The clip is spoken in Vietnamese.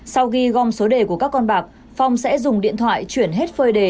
sau khi gom số đề của các con bạc phong sẽ dùng điện thoại chuyển hết phơi đề